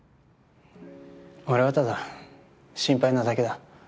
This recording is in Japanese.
俺はただ心配なだけだ。